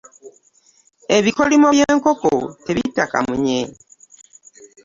Ebikolimo by'enkoko tebitta kamunye.